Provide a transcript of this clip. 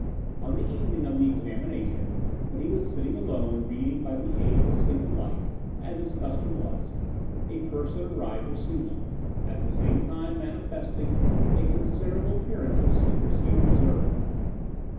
On the evening of the examination, when he was sitting alone, reading by the aid of a single light, as his custom was, a person arrived to see him, at the same time manifesting a considerable appearance of secrecy and reserve.